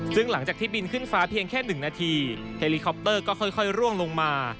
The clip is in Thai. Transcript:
ซึ่งหลังจากที่บินขึ้นฟ้าเพียงแค่๑นาทีเฮลิคอปเตอร์ก็ค่อยร่วงลงมา